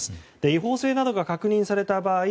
違法性などが確認された場合